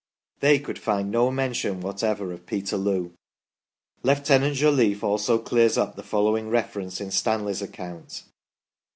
They could find no mention whatever of Peterloo. Lieutenant Jolliffe also clears up the following reference in Stanley's account.